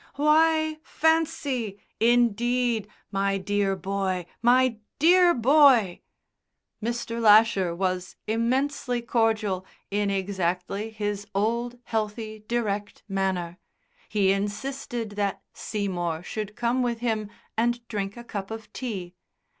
"Why! Fancy! Indeed. My dear boy. My dear boy!" Mr. Lasher was immensely cordial in exactly his old, healthy, direct manner. He insisted that Seymour should come with him and drink a cup of tea.